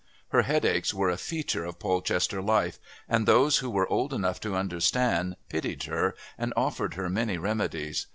Her headaches were a feature of Polchester life, and those who were old enough to understand pitied her and offered her many remedies.